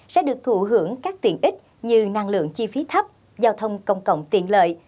sẽ được thụ hưởng các tiện ích như năng lượng chi phí thấp giao thông công cộng tiện lợi